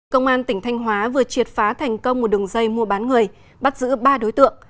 công an tỉnh thanh hóa vừa triệt phá thành công một đường dây mua bán người bắt giữ ba đối tượng